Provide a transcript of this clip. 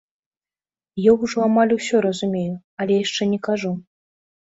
Я ўжо амаль усё разумею, але яшчэ не кажу.